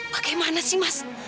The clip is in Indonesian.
bagaimana sih mas